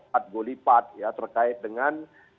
pat guli pat terkait dengan